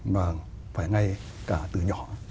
mà phải ngay cả từ nhỏ